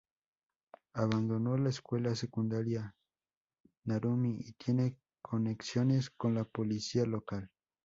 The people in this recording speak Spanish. Abandonó la escuela secundaria Narumi y tiene conexiones con la policía local.